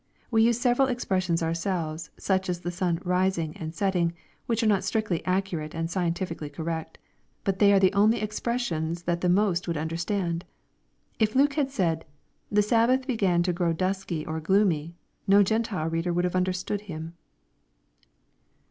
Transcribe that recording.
We use sev eral expressions ourselves, such as the sun " rising" and '* setting," which are not strictly accurate and scientifically correct. But they are the only expressions that the most would understand. If Luke had said, " The Sabbath began to grow dusky or gloomy," no Gen tile reader would have understood him.